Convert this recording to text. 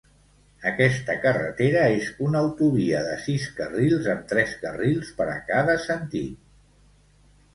Aquesta carretera és una autovia de sis carrils amb tres carrils per a cada sentit.